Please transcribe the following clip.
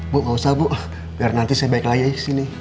bu gak usah bu biar nanti saya balik lagi